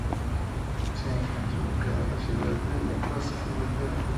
Se encuentra ubicada en la ciudad de Newcastle, Inglaterra.